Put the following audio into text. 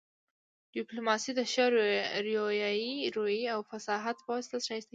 ډیپلوماسي د ښه رويې او فصاحت په واسطه ښایسته کیږي